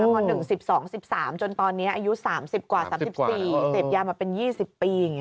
ก็คือเสพยาตั้งแต่ม๑ม๑๑๒๑๓จนตอนนี้อายุ๓๐กว่า๓๔เสพยามาเป็น๒๐ปี